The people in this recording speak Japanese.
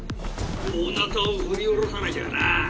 「大なたを振り下ろさなきゃな」